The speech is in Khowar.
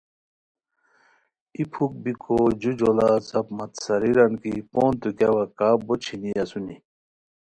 ای پُھک بیکھو جُوجوڑا زپ مت سارئیران کی پونتو گیاوا کا ہوچھینی اسونی